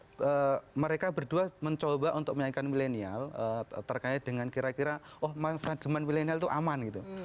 karena mereka berdua mencoba untuk menyainkan milenial terkait dengan kira kira oh manajemen milenial itu aman gitu